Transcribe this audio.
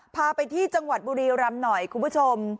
พาไปที่จังหวัดบุรีรำหน่อยคุณผู้ชม